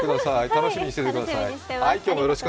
楽しみにしていてください。